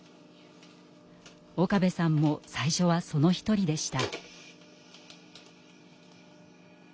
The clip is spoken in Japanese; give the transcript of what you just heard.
岡部さんも最初はその一人でした。